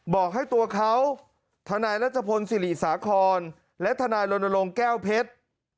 บอกให้ตัวเขาทนายรัชพลศิริสาครและทนายรณรงค์แก้วเพชร